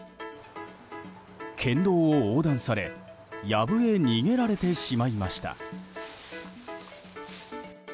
県道を横断されやぶへ逃げられてしまいました。